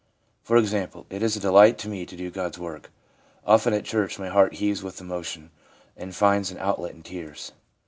For example :' It is a delight to me to do God's work.' * Often at church my heart heaves with emotion, and finds an outlet in tears.'